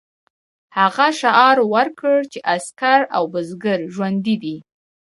هغه شعار ورکړ چې عسکر او بزګر ژوندي دي.